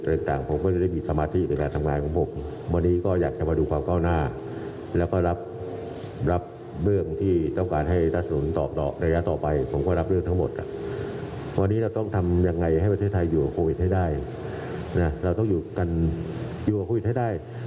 เราต้องอยู่กับโควิดให้ได้